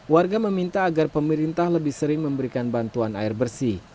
warga meminta agar pemerintah lebih sering memberikan bantuan air bersih